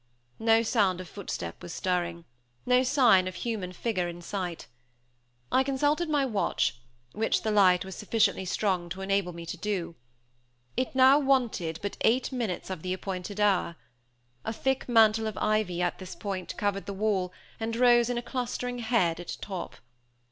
No sound of footstep was stirring; no sign of human figure in sight. I consulted my watch, which the light was sufficiently strong to enable me to do. It now wanted but eight minutes of the appointed hour. A thick mantle of ivy at this point covered the wall and rose in a clustering head at top.